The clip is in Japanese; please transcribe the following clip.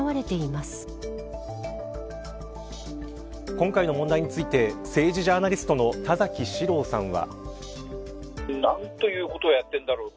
今回の問題について政治ジャーナリストの田崎史郎さんは。